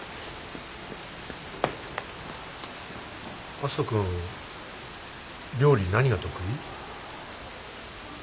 篤人君料理何が得意？